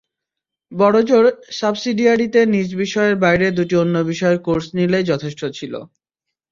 বড়জোর সাবসিডিয়ারিতে নিজ বিষয়ের বাইরে দুটি অন্য বিষয়ের কোর্স নিলেই যথেষ্ট ছিল।